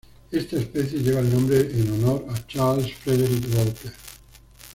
Esta especie lleva el nombre en honor a Charles Frederic Walker.